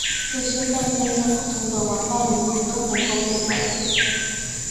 这些概念在不同的文化领域都能够被了解。